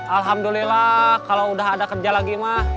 alhamdulillah kalau udah ada kerja lagi mah